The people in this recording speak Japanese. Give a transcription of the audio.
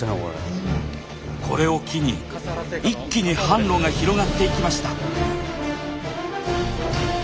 これを機に一気に販路が広がっていきました。